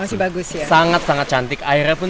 masih bagus sangat sangat cantik airnya pun